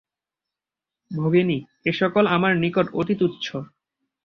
ভগিনী, এ সকল আমার নিকট অতি তুচ্ছ।